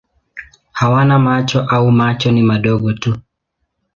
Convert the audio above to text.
Hawana macho au macho ni madogo tu.